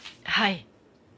はい。